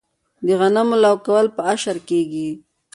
د غنمو لو کول په اشر کیږي.